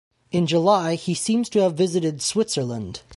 In July he seems to have visited Switzerland.